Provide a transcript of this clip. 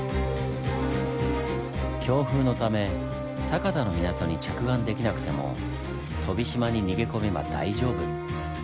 強風のため酒田の港に着岸できなくても飛島に逃げ込めば大丈夫。